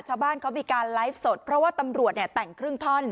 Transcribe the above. ชาวบ้านเขามีการไลฟ์สดเพราะว่าตำรวจเนี่ยแต่งครึ่งท่อน